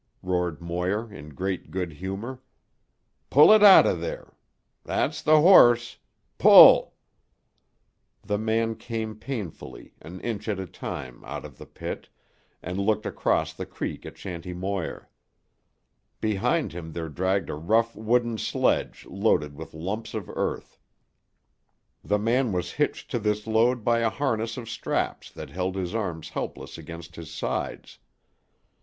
roared Moir in great good humour. "Pull it out o' there. That's tuh horse. Pull!" The man came painfully, an inch at a time, out of the pit, and looked across the creek at Shanty Moir. Behind him there dragged a rough wooden sledge loaded with lumps of earth. The man was hitched to this load by a harness of straps that held his arms helpless against his sides.